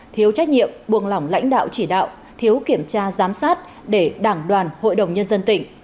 thiếu trách nhiệm buồng lỏng lãnh đạo chỉ đạo thiếu kiểm tra giám sát để đảng đoàn hội đồng nhân dân tỉnh